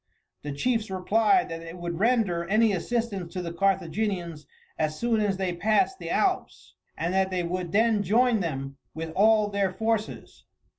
The chiefs replied that they would render any assistance to the Carthaginians as soon as they passed the Alps, and that they would then join them with all their forces.